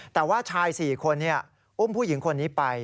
แต่ว่าชาย๔คนอุ้มผู้หญิงคนนี้ไป